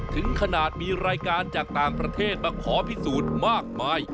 ถึงขนาดมีรายการจากต่างประเทศมาขอพิสูจน์มากมาย